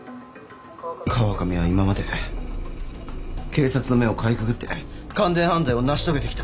川上は今まで警察の目をかいくぐって完全犯罪を成し遂げてきた。